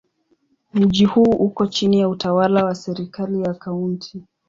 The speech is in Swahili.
Mji huu uko chini ya utawala wa serikali ya Kaunti.